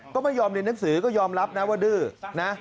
ก็ไม่ยอมเรียนหนังสือก็ยอมรับนะว่าดื้อนะ